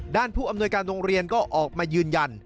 ผู้อำนวยการโรงเรียนก็ออกมายืนยัน